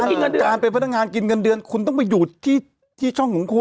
การเป็นพนักงานกินเงินเดือนคุณต้องไปอยู่ที่ช่องของคุณ